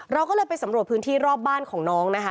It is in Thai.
เราก็เลยไปสำรวจพื้นที่รอบบ้านของน้องนะคะ